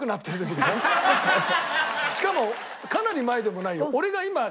しかもかなり前でもないよ。